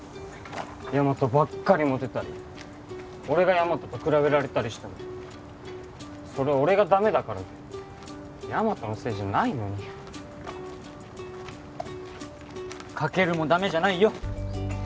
ヤマトばっかりモテたり俺がヤマトと比べられたりしてもそれは俺がダメだからでヤマトのせいじゃないのにカケルもダメじゃないよ